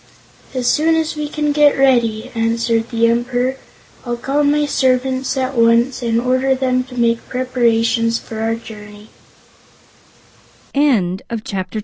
"As soon as we can get ready," answered the Emperor. "I'll call my servants at once and order them to make preparations for our journey."